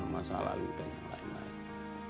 masa lalu dan lain lain